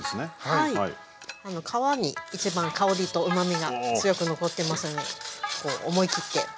皮に一番香りとうまみが強く残ってますので思い切って。